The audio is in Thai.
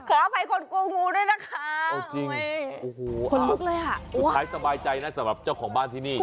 ขออภัยคนกลัวงูด้วยนะคะสุดท้ายสบายใจนะสำหรับเจ้าของบ้านที่นี่